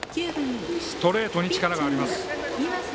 ストレートに力があります。